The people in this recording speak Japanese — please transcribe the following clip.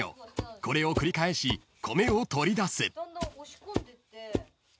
［これを繰り返し米を取り出す］